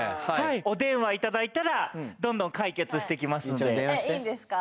お電話いただいたらどんどん解決してきますのでゆうちゃみ電話していいんですか？